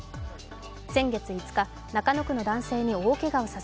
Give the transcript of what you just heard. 先月５日、中野区の男性に大けがをさせ